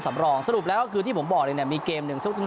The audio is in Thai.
สำรองสรุปแล้วก็คือที่ผมบอกเลยเนี่ยมีเกมหนึ่งทุก